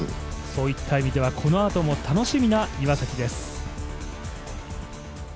そういった意味ではこのあとも楽しみな岩崎です。